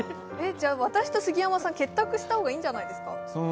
私と杉山さん、結託した方がいいんじゃないですか。